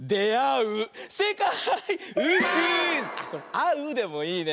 「あう」でもいいね。